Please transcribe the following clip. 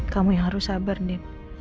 kamu yang harus sabar dip